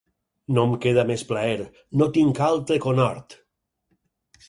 No em queda més plaer, no tinc altre conhort.